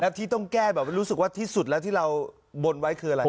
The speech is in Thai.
ที่ต้องแก้แบบรู้สึกว่าที่สุดแล้วที่เราบนไว้คืออะไร